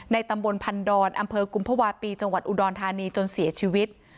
ตำบลพันดอนอำเภอกุมภาวะปีจังหวัดอุดรธานีจนเสียชีวิต